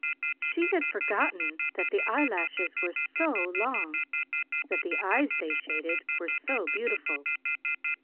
She had forgotten that the eyelashes were so long, that the eyes they shaded were so beautiful.